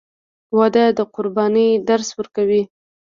• واده د قربانۍ درس ورکوي.